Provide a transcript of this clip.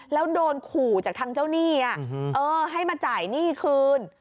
แล้วโดนขู่จากทางเจ้าหนี้ให้มาจ่ายหนี้คืน